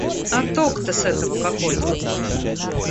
А толк-то с этого какой?